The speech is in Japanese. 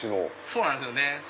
そうなんですよね。